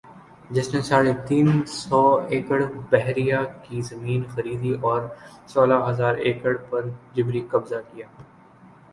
جس نے ساڑھے تین سو ایکڑبحریہ کی زمین خریدی اور سولہ ھزار ایکڑ پر جبری قبضہ کیا